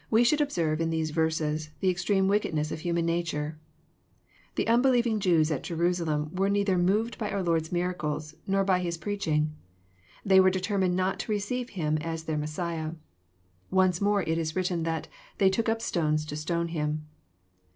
Wb should observe, in these verses, tJie extreme wicked' ness of human nature. The unbelieving Jews at Jerusalem was neither moved by our Lord's miracles, nor by His preaching. They were determined not to receive Him as their Messiah. Once more it is ^written that '^ they took up stones to stone Him."